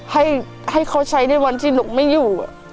ให้ค่อยใช้ชีวิตได้ในคุณลุกไม่อยู่